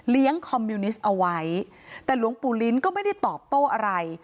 คอมมิวนิสต์เอาไว้แต่หลวงปู่ลิ้นก็ไม่ได้ตอบโต้อะไร